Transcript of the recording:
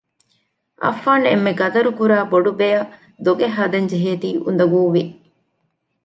އައްފާން އެންމެ ޤަދަރުކުރާ ބޮޑުބެއަށް ދޮގެއް ހަދަން ޖެހޭތީ އުނދަގޫވި